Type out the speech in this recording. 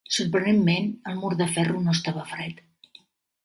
Sorprenentment, el mur de ferro no estava fred.